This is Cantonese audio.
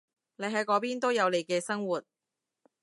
你喺嗰邊都有你嘅生活